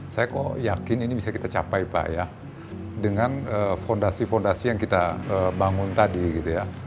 saya kok yakin ini bisa kita capai pak ya dengan fondasi fondasi yang kita bangun tadi gitu ya